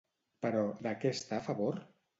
Però, de què està a favor?